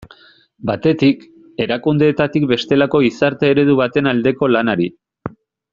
Batetik, erakundeetatik bestelako gizarte eredu baten aldeko lanari.